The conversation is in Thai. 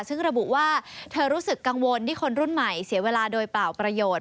ซึ่งระบุว่าเธอรู้สึกกังวลที่คนรุ่นใหม่เสียเวลาโดยเปล่าประโยชน์